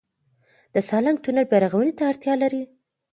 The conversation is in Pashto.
د سالنګ تونل بیارغونې ته اړتیا لري؟